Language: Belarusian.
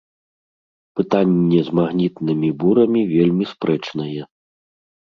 Пытанне з магнітнымі бурамі вельмі спрэчнае.